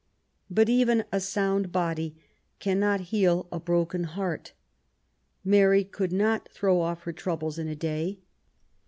*' But even a sound body cannot heal a broken heart. Mary could not throw ofif her troubles in a day.